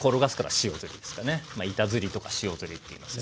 まあ板ずりとか塩ずりといいますね。